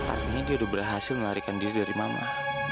artinya dia udah berhasil melarikan diri dari mama